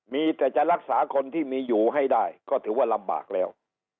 มีแต่จะรักษาคนที่มีอยู่ให้ได้ก็ถือว่าลำบากแล้ว